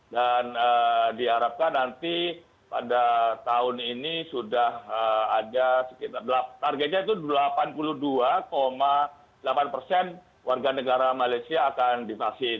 dan diharapkan nanti pada tahun ini sudah ada sekitar targetnya itu delapan puluh dua delapan persen warga negara malaysia akan divaksin